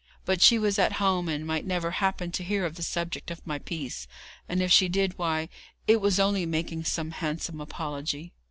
But she was at home, and might never happen to hear of the subject of my piece, and if she did, why, it was only making some handsome apology.